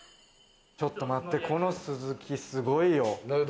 ちょっと待って、このスズキすごいよ。